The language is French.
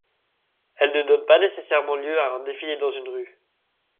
Elle ne donne pas nécessairement lieu à un défilé dans une rue.